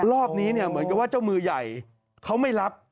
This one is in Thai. รอบนี้เนี่ยเหมือนกับว่าเจ้ามือใหญ่เขาไม่รับ